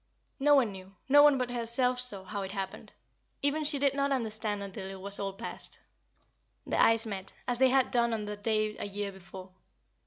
No one knew, no one but herself saw, how it happened: even she did not understand until all was past. Their eyes met, as they had done on the day a year before.